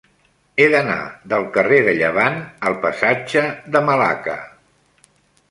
He d'anar del carrer de Llevant al passatge de Malacca.